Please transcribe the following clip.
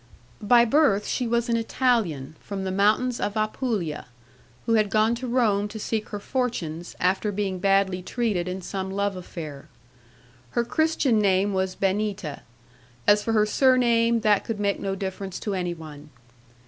'By birth she was an Italian, from the mountains of Apulia, who had gone to Rome to seek her fortunes, after being badly treated in some love affair. Her Christian name was Benita; as for her surname, that could make no difference to any one.